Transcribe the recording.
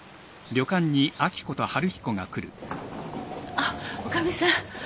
あっ女将さん。